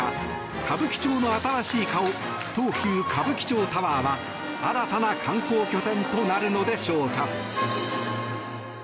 歌舞伎町の新しい顔東急歌舞伎町タワーは新たな観光拠点となるのでしょうか。